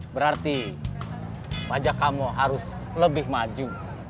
berarti pajak kamu harus lebih maju